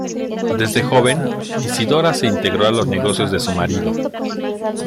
Desde joven, Isidora se integró a los negocios de su marido.